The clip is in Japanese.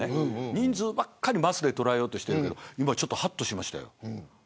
人数ばかりマスで捉えようとしているけど今ちょっとはっとしましたよ。